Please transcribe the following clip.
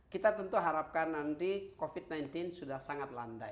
kita tentu harapkan nanti covid sembilan belas sudah sangat landai